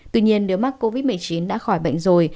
tuy nhiên nếu mắc covid một mươi chín đã khỏi bệnh rồi